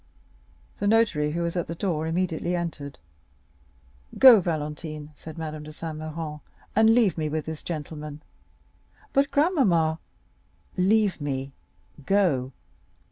The notary, who was at the door, immediately entered. "Go, Valentine," said Madame de Saint Méran, "and leave me with this gentleman." "But, grandmamma——" "Leave me—go!"